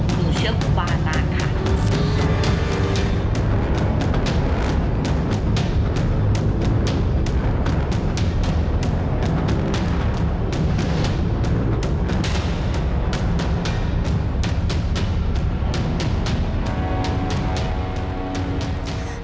หนูเชื่อครูบาอาจารย์ค่ะ